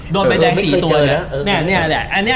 โดนไปแดง๔ตัวเนี่ย